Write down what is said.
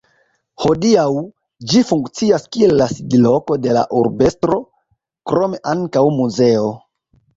Hodiaŭ, ĝi funkcias kiel la sidloko de la urbestro, krome ankaŭ muzeo.